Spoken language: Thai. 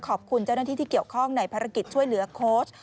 ขอบคุณเจ้าหน้าที่ที่เกี่ยวข้องในภารกิจช่วยเหลือโค้ช